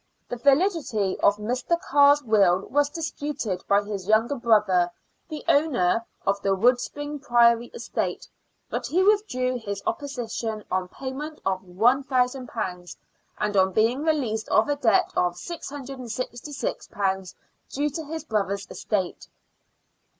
The validity of Mr. Carr's will was disputed by his younger brother, the owner of the Woodspring Priory estate, but he withdrew his opposition on payment of £i,ooo, and on being released of a debt of £666 due to his brother's estate.